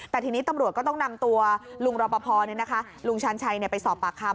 แต่ทีนี้ตำรวจก็ต้องนำตัวลุงรบพอเนี่ยนะคะลุงชันชัยเนี่ยไปสอบปากคำ